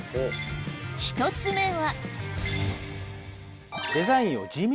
１つ目は。